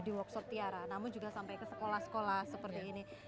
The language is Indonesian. di workshop tiara namun juga sampai ke sekolah sekolah seperti ini